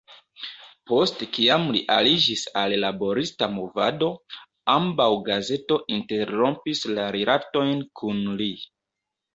Post kiam li aliĝis al laborista movado, ambaŭ gazeto interrompis la rilatojn kun li.